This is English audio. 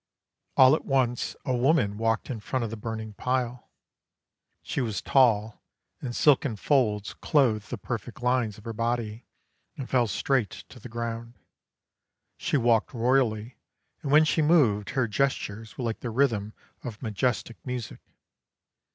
All at once a woman walked in front of the burning pile. She was tall, and silken folds clothed the perfect lines of her body and fell straight to the ground. She walked royally, and when she moved her gestures were like the rhythm of majestic music.